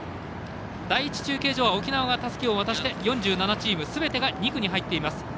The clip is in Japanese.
第１中継所は沖縄がたすきを渡して４７チーム、すべてが２区に入っています。